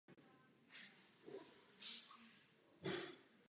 V horní části kosti se nachází osten.